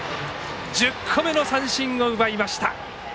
１０個目の三振を奪いました。